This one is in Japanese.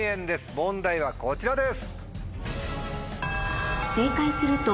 問題はこちらです。